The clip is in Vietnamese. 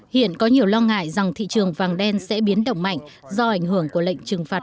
hiện có nhiều lo ngại rằng thị trường vàng đen sẽ biến động mạnh do ảnh hưởng của lệnh trừng phạt